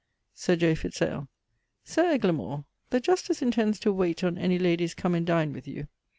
Sir J. Fitz ale. Sir Eglamour, the Justice intends to wayte on any ladies come and dine with you.